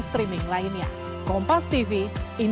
baik saya yang jabatan sudara ya